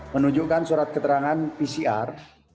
menunjukkan surat keterangan pcr